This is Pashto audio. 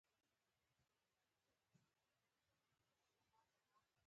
بیا یې ورته وویل: دویم ځل یې ووینځه.